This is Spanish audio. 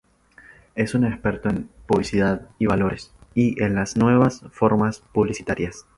Es un experto en Publicidad y valores, y en las nuevas formas publicitarias.